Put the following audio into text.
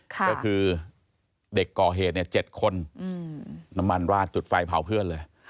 ก็คือเด็กก่อเหตุ๗คนน้ำมันราดจุดไฟเผาเพื่อนเลย